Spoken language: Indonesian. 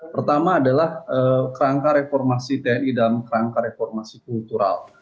pertama adalah rangka reformasi tni dalam rangka reformasi kultural